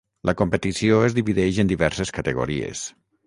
La competició es divideix en diverses categories.